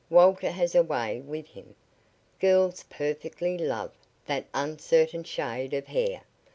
"Walter has a way with him. Girls 'perfectly love' that uncertain shade of hair.